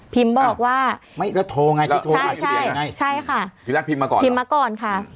พิมพ์บอกว่าไม่แล้วโทรไงใช่ใช่ใช่ค่ะทีแรกพิมพ์มาก่อนพิมพ์มาก่อนค่ะ